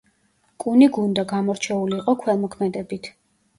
კუნიგუნდა გამორჩეული იყო ქველმოქმედებით.